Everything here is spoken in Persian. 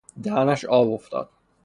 دهنش آب افتاد